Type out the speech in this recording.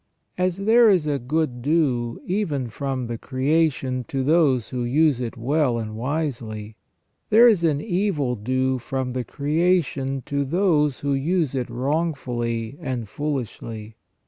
As there is a good due even from the creation to those who use it well and wisely, there is an evil due from the creation to those who use it wrongfully and foolishly.